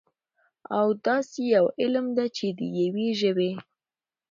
او داسي يوه علم ده، چې د يوي ژبې